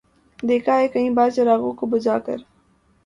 دیکھا ہے کئی بار چراغوں کو بجھا کر